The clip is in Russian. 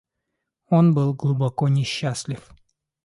Он был глубоко несчастлив.